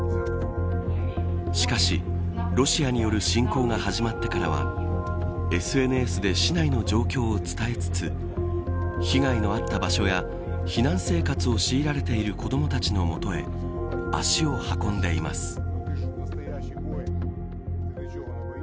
しかし、ロシアによる侵攻が始まってからはＳＮＳで市内の状況を伝えつつ被害のあった場所や避難生活をしいられている子どもたちのもとへ足を運んでいます。